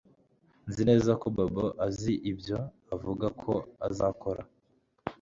Nzi neza ko Bobo azakora ibyo avuga ko azakora